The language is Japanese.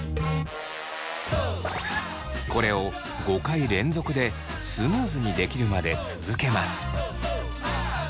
これを５回連続でスムーズにできるまで続けます。